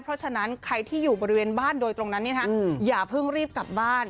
เพราะฉะนั้นใครที่อยู่บริเวณบ้านโดยตรงนั้นอย่าเพิ่งรีบกลับบ้าน